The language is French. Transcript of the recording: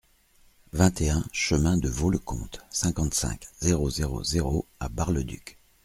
vingt et un chemin de Vaux le Comte, cinquante-cinq, zéro zéro zéro à Bar-le-Duc